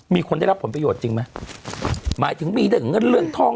มีคนได้รับผลประโยชน์จริงไหมหมายถึงมีเรื่องเงินเรื่องทอง